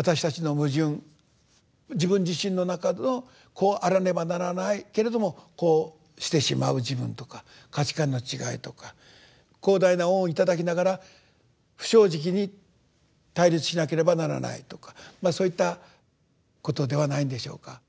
自分自身の中のこうあらねばならないけれどもこうしてしまう自分とか価値観の違いとか広大な恩を頂きながら不正直に対立しなければならないとかそういったことではないんでしょうか。